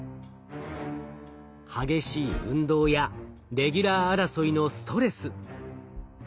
激しい運動やレギュラー争いのストレス。